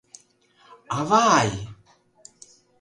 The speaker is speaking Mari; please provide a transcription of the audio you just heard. Авай!..